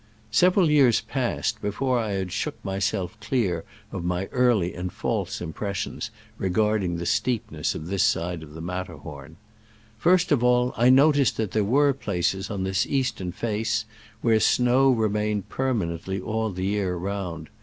Several years passed away before I shook myself clear of my early and false impressions regarding the steepness of this side of the Matterhorn. First of all, I noticed that there were places on this eastern face where snow remained permanently all the year round.